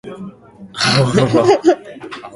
あっわわわ